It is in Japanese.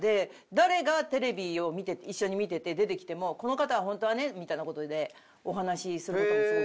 誰がテレビを見て一緒に見てて出てきても「この方はホントはね」みたいな事でお話しする事もすごくうまいし。